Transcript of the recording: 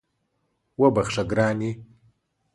وبخښه ګرانې